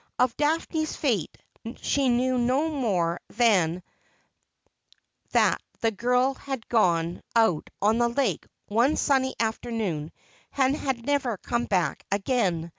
Of Daphne's fate she knew no more than that the girl had gone out on the lake one sunny afternoon and had never come back again.